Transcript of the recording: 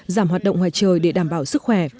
giảm hoạt động ngoài trời để đảm bảo sức khỏe